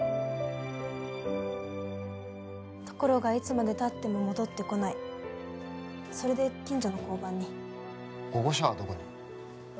ところがいつまでたっても戻ってこないそれで近所の交番に保護者はどこに？